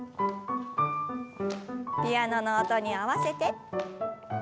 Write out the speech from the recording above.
ピアノの音に合わせて。